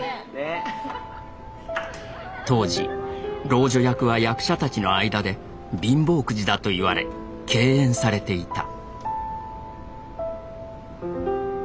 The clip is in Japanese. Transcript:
当時老女役は役者たちの間で貧乏くじだと言われ敬遠されていた。